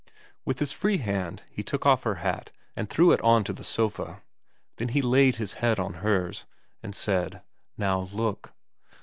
With his free hand he took off her hat and threw it on to the sofa ; then he laid his head on hers and said, Now look.'